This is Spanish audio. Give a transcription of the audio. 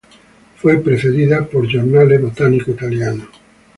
Fue precedida por "Giornale Botanico Italiano".